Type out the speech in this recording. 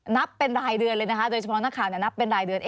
นับเป็นรายเดือนเลยนะคะโดยเฉพาะนักข่าวนับเป็นรายเดือน